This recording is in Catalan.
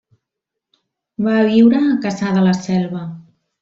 Va viure a Cassà de la Selva.